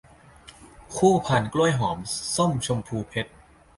คู่พานกล้วยหอมส้มชมพูเพชร